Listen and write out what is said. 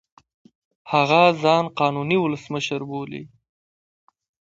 هغه ځان قانوني اولسمشر بولي.